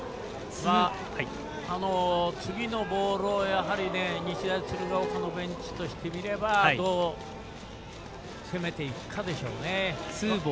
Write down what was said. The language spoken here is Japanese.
次のボールをやはり、日大鶴ヶ丘のベンチとしてみればどう攻めていくかでしょうね。